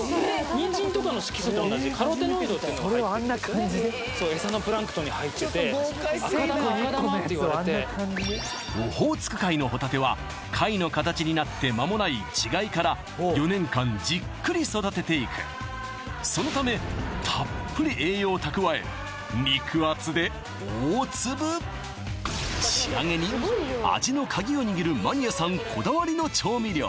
ニンジンとかの色素と同じカロテノイドっていうのが入ってるんですよね餌のプランクトンに入ってて赤玉赤玉っていわれてオホーツク海のホタテは貝の形になって間もない稚貝から４年間じっくり育てていくそのためたっぷり栄養を蓄え肉厚で大粒仕上げに味のカギを握るマニアさんこだわりの調味料